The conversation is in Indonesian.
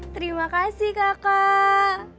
terima kasih kakak